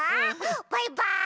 バイバーイ！